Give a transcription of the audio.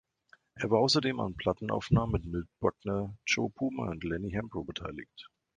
Er war außerdem an Plattenaufnahmen mit Milt Buckner, Joe Puma und Lennie Hambro beteiligt.